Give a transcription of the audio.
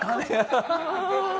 ハハハハ！